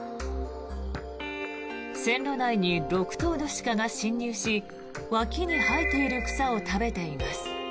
線路内に６頭の鹿が進入し脇に生えている草を食べています。